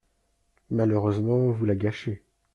Malheureusement, vous la gâchez.